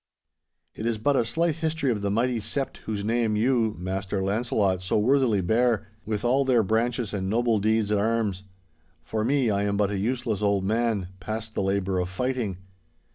It is but a slight history of the mighty sept whose name you, Master Launcelot, so worthily bear, with all their branches and noble deeds at arms. For me, I am but a useless old man, past the labour of fighting.